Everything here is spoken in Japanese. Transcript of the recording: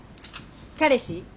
彼氏？